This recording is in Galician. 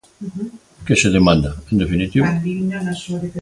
¿Que se demanda, en definitiva?